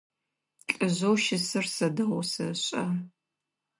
Лӏыжъэу щысыр сэ дэгъоу сэшӏэ.